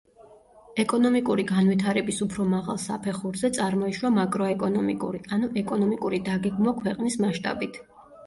ეკონომიკური განვითარების უფრო მაღალ საფეხურზე წარმოიშვა მაკროეკონომიკური, ანუ ეკონომიკური დაგეგმვა ქვეყნის მასშტაბით.